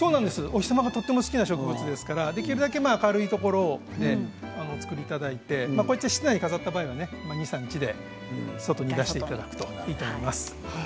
お日様がとても好きな植物なのでできるだけ明るいところを作っていただいて室内に飾った場合は２、３日で外に出してください。